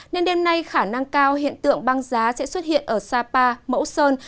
nên đêm nay khả năng cao hiện tượng băng giá sẽ xuất hiện ở sapa mẫu sơn